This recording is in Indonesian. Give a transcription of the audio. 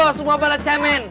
lo semua banget cemen